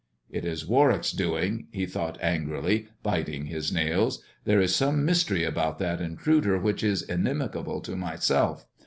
"It is Warwick's doing," he thought angrily, biting his dls. " There is some mystery about that intruder which inimical to myself.